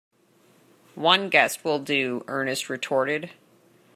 One guess will do, Ernest retorted.